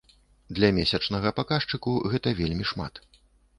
Для месячнага паказчыку гэта вельмі шмат.